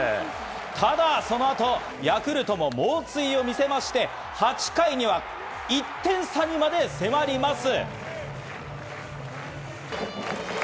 ただ、そのあとヤクルトも猛追を見せ、８回には１点差にまで迫ります。